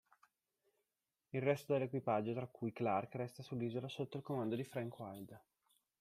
Il resto dell'equipaggio, tra cui Clark resta sull'isola sotto il comando di Frank Wild.